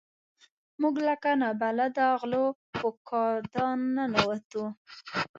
موږ لکه نابلده غلو په کادان ننوتو.